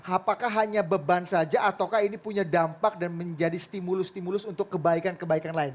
apakah hanya beban saja ataukah ini punya dampak dan menjadi stimulus stimulus untuk kebaikan kebaikan lain